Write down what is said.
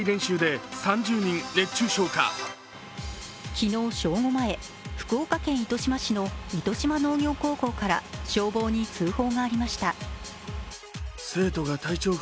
昨日正午前、福岡県糸島市の糸島農業高校から消防に通報がありました。